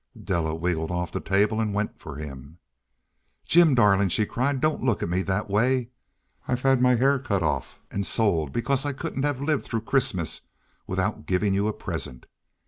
Della wriggled off the table and went for him. "Jim, darling," she cried, "don't look at me that way. I had my hair cut off and sold because I couldn't have lived through Christmas without giving you a present.